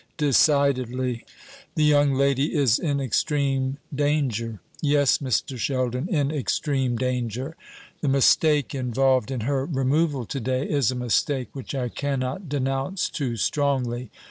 "Decidedly. The young lady is in extreme danger. Yes, Mr. Sheldon, in extreme danger. The mistake involved in her removal to day is a mistake which I cannot denounce too strongly.